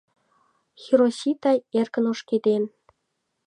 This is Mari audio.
Хиросита эркын ошкеден.